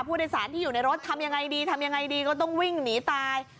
ผู้โดยสารที่อยู่ในรถทำยังไงดีทำยังไงดีก็ต้องวิ่งหนีตาย